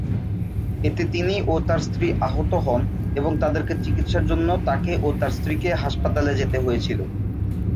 এতে তিনি ও তার স্ত্রী আহত হন এবং তাদেরকে চিকিৎসার জন্য তাকে ও তার স্ত্রীকে হাসপাতালে যেতে হয়েছিল।